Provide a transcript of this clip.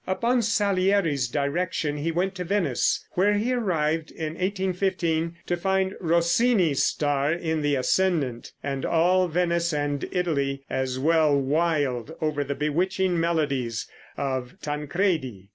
Upon Salieri's direction he went to Venice, where he arrived in 1815, to find Rossini's star in the ascendant, and all Venice, and Italy as well, wild over the bewitching melodies of "Tancredi."